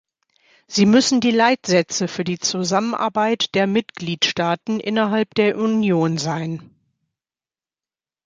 Sie müssen die Leitsätze für die Zusammenarbeit der Mitgliedstaaten innerhalb der Union sein.